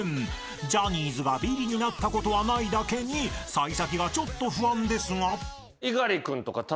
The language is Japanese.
［ジャニーズがビリになったことはないだけに幸先がちょっと不安ですが］